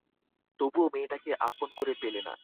তবুও মেয়েটাকে আপন করে পেলে না।